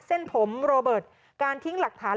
เส้นผมโรเบิร์ตการทิ้งหลักฐาน